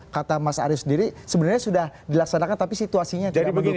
kata mas arief sendiri sebenarnya sudah dilaksanakan tapi situasinya tidak mendukung